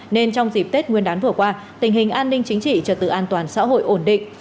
nên trong dịp tết nguyên đán vừa qua tình hình an ninh chính trị trật tự an toàn xã hội ổn định